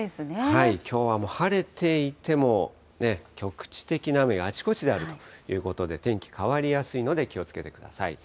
きょうはもう晴れていても、局地的な雨があちこちであるということで、天気変わりやすいので気をつけてください。